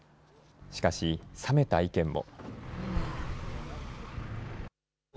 しかし冷めた意見も。